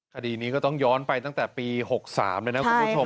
คดีนี้ก็ต้องย้อนไปตั้งแต่ปี๖๓เลยนะคุณผู้ชม